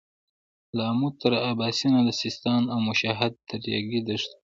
له امو تر اباسينه د سيستان او مشهد تر رېګي دښتو.